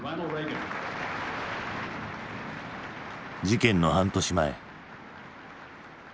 事件の半年前。